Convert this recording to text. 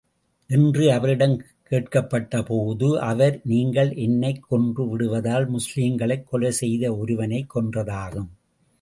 என்று அவரிடம் கேட்கப்பட்ட போது அவர் நீங்கள் என்னைக் கொன்று விடுவதால், முஸ்லிம்களைக் கொலை செய்த ஒருவனைக் கொன்றதாகும்.